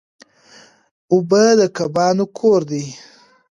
اوبه د کبانو کور دی.